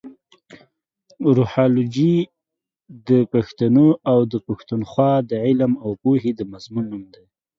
روهالوجي د پښتنو اٶ د پښتونخوا د علم اٶ پوهې د مضمون نوم دې.